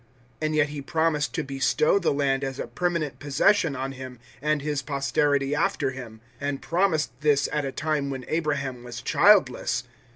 And yet He promised to bestow the land as a permanent possession on him and his posterity after him and promised this at a time when Abraham was childless.